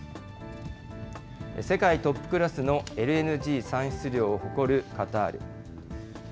世界トップクラスのＬＮＧ産出量を誇るカタール。